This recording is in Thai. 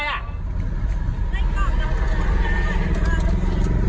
ได้กรอกได้ลูก